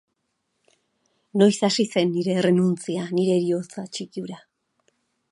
Noiz hasi zen nire errenuntzia, nire heriotza txiki hura.